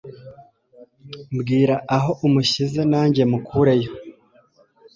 mbwira aho umushyize nanjye mukure yo"